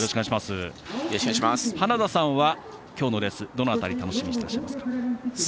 花田さんは、今日のレースどの辺り楽しみにしていますか？